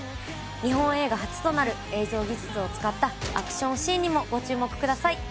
日本映画初となる映像技術を使ったアクションシーンにもご注目ください